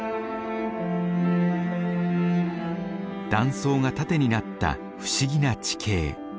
断層が縦になった不思議な地形。